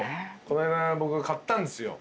この間僕買ったんですよ